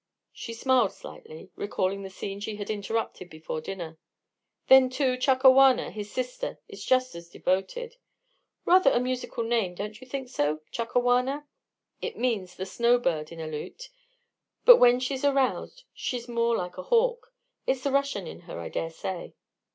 She smiled slightly, recalling the scene she had interrupted before dinner. "Then, too, Chakawana, his sister, is just as devoted. Rather a musical name, don't you think so, Chakawana? It means 'The Snowbird' in Aleut, but when she's aroused she's more like a hawk. It's the Russian in her, I dare say."